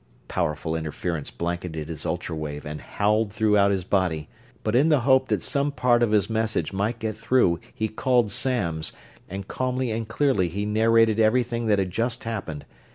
Powerful interference blanketed his ultra wave and howled throughout his body; but in the hope that some part of his message might get through he called Samms, and calmly and clearly he narrated everything that had just happened.